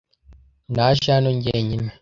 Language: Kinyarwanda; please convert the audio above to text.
naje hano njyenyine